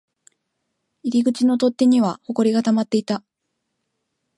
入り口の取っ手には埃が溜まっていた